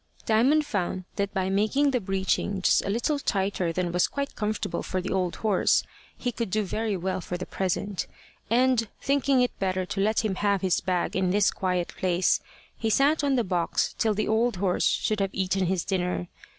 Diamond found that by making the breeching just a little tighter than was quite comfortable for the old horse he could do very well for the present; and, thinking it better to let him have his bag in this quiet place, he sat on the box till the old horse should have eaten his dinner.